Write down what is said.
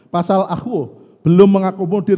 pasal aku belum mengakomodir